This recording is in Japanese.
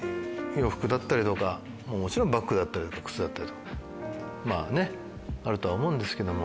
洋服だったりとかもちろんバッグだったり靴だったりとかまぁねあるとは思うんですけども。